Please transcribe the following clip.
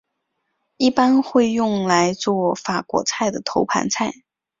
一般会用来作法国菜的头盘菜。